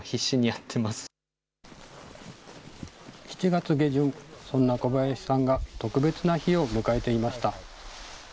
７月下旬、そんな小林さんが特別な日を迎えていました。